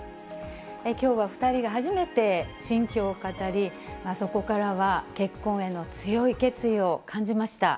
きょうは２人が初めて心境を語り、そこからは結婚への強い決意を感じました。